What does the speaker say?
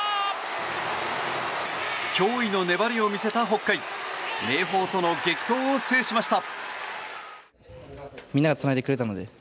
驚異の粘りを見せた北海明豊との激闘を制しました。